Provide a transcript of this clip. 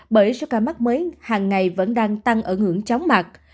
bởi sức khỏe mắc mấy hàng ngày vẫn đang tăng ở ngưỡng chóng mặt